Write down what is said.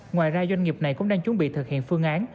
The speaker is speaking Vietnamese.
ngoài ra doanh nghiệp này cũng đang chuẩn bị thực hiện phương án